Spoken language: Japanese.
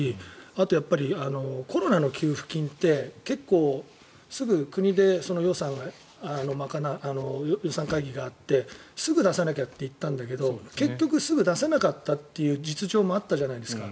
あと、コロナの給付金って結構、すぐに国で予算会議があってすぐ出さなきゃと言ったんだけど結局、すぐ出さなかったという実情もあったじゃないですか。